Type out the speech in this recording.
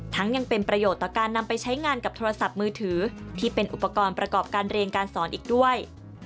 ยังเป็นประโยชน์ต่อการนำไปใช้งานกับโทรศัพท์มือถือที่เป็นอุปกรณ์ประกอบการเรียนการสอนอีกด้วย